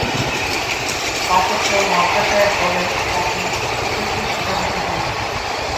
তাসত্ত্বেও, Lancashire দলে তাকে উপেক্ষার শিকার হতে হয়েছিল।